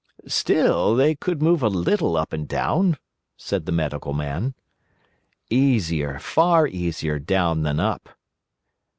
"Still they could move a little up and down," said the Medical Man. "Easier, far easier down than up."